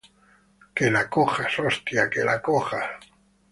¡ que la cojas! ¡ hostia, que la cojas!